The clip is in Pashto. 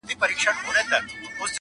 خدای مو ړانده که دا جهالت دی-